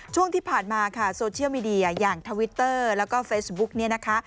ช่วงที่ผ่านมาโซเชียลมีเดียอย่างทวิตเตอร์แล้วก็เฟซบุ๊ก